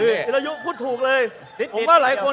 คุณจิลายุเขาบอกว่ามันควรทำงานร่วมกัน